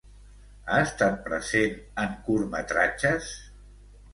Ha estat present en curtmetratges?